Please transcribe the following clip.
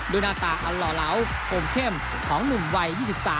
หน้าตาอันหล่อเหลาคมเข้มของหนุ่มวัย๒๓